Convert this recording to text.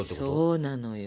そうなのよ。